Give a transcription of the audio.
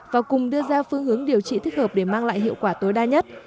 và cùng đưa ra phương hướng điều trị thích hợp để mang lại hiệu quả tối đa nhất